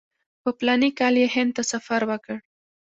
په فلاني کال کې یې هند ته سفر وکړ.